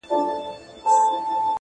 يو څو د ميني افسانې لوستې؛